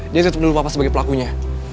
dia tetep dulu lupa sebagai pelakunya